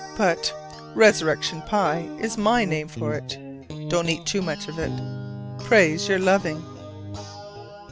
But "Resurrection Pie" is my name for it. Don't eat too much of it, prays your loving.